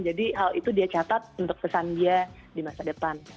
jadi hal itu dia catat untuk pesan dia di masa depan